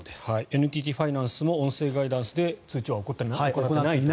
ＮＴＴファイナンスも音声ガイダンスで通知は行っていないと。